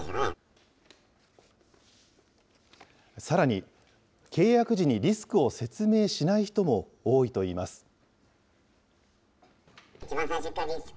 さらに、契約時にリスクを説明しない人も多いといいます。